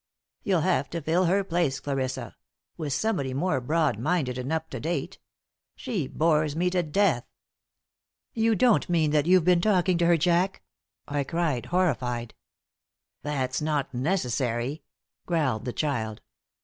You'll have to fill her place, Clarissa, with somebody more broad minded and up to date. She bores me to death." "You don't mean that you've been talking to her, Jack?" I cried, horrified. "That's not necessary," growled the child.